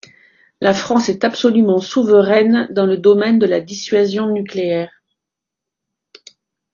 La France est absolument souveraine dans le domaine de la dissuasion nucléaire.